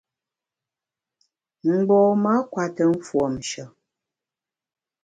Mgbom-a kùete mfuomshe.